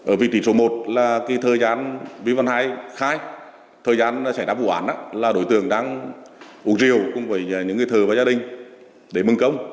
ở vị trí số một là thời gian vi văn hai khai thời gian xảy ra vụ án là đối tượng đang uống rượu cùng với những người thợ và gia đình để mừng công